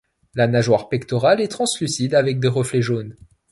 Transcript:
La nageoire pectorale est translucide avec des reflets jaunes.